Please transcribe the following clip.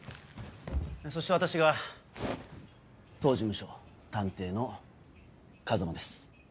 そして私が当事務所探偵の風真です。